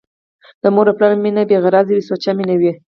د مور او پلار مينه بې غرضه وي ، سوچه مينه وي